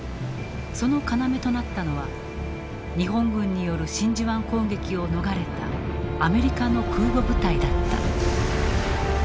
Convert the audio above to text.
その要となったのは日本軍による真珠湾攻撃を逃れたアメリカの空母部隊だった。